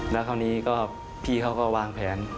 แล้วคราวนี้ก็พี่เขาก็วางแผน